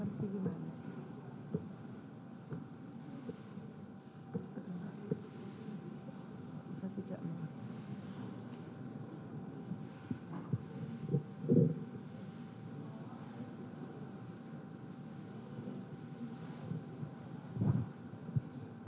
terima kasih yang mulia